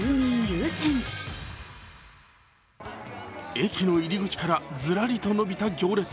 駅の入り口からずらりと伸びた行列。